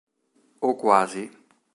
O quasi.